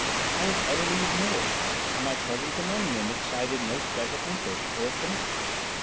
I was utterly ignored, and my presence among them excited no special interest or attention.